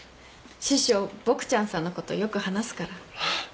師匠ボクちゃんさんのことよく話すから。